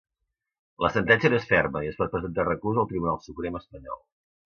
La sentència no és ferma i es pot presentar recurs al Tribunal Suprem espanyol.